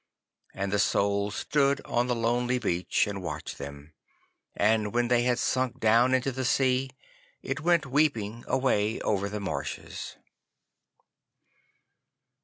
And the Soul stood on the lonely beach and watched them. And when they had sunk down into the sea, it went weeping away over the marshes.